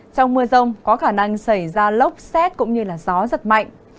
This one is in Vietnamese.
trong mưa rông có khả năng xảy ra lốc xét cũng như gió giật mạnh